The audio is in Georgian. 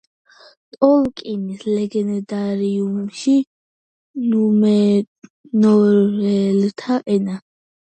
ტოლკინის ლეგენდარიუმში ნუმენორელთა ენა.